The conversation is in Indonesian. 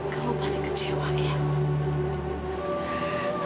kamu pasti kecewa ya